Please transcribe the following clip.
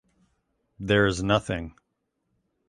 There is nothing.